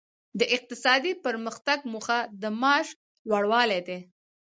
د اقتصادي پرمختګ موخه د معاش لوړوالی دی.